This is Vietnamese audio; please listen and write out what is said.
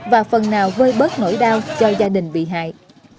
và phần nào vơi bớt nỗi đau cho gia đình bị hại